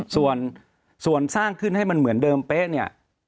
ส่วนสร้างขึ้นให้มันเหมือนเดิมเป๊ะเนี่ย